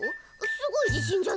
すごい自信じゃない？